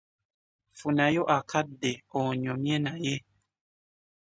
Funayo akadde onyumye naye.